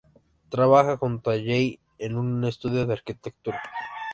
Trabaja junto a Jay en un estudio de arquitectura.